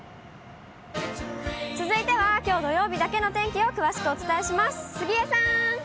続いてはきょう土曜日だけの天気を詳しくお伝えします。